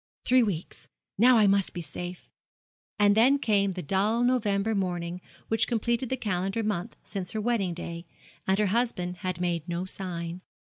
'Three weeks! now I must be safe!' And then came the dull November morning which completed the calendar month since her wedding day, and her husband had made no sign.